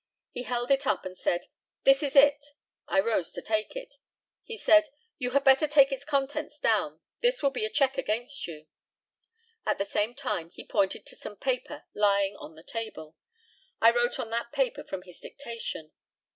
He held it up, and said, "This is it." I rose to take it. He said, "You had better take its contents down; this will be a check against you." At the same time he pointed to some paper lying on the table. I wrote on that paper from his dictation.